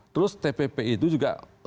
terus tpp itu juga